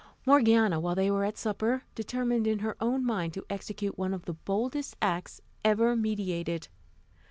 Morgiana, while they were at supper, determined in her own mind to execute one of the boldest acts ever meditated.